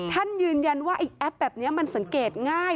ท่านยืนยันว่าไอ้แอปแบบนี้มันสังเกตง่าย